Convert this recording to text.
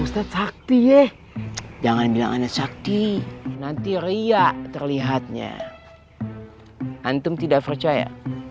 ustadz hakti ye jangan bilang anak shakti nanti riak terlihatnya antum tidak percaya